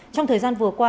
trong thời gian vừa qua